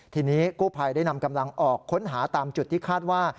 ทีนี้กู้ภัยได้นำกำลังออกค้นหาตามจุดที่คาดว่า